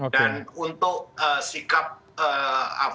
dan untuk sikap negara negara lain